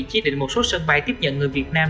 chỉ định một số sân bay tiếp nhận người việt nam